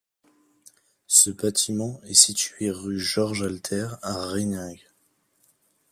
Ce bâtiment est situé rue Georges-Alter à Reiningue.